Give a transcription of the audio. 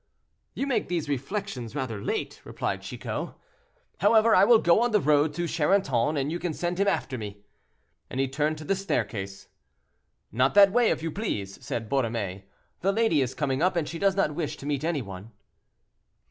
"You make these reflections rather late," replied Chicot, "however, I will go on the road to Charenton and you can send him after me." And he turned to the staircase. "Not that way, if you please," said Borromée, "the lady is coming up, and she does not wish to meet any one."